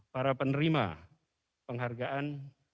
para penerima penghargaan